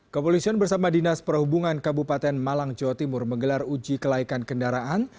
kepolisian bersama dinas perhubungan kabupaten malang jawa timur menggelar uji kelaikan kendaraan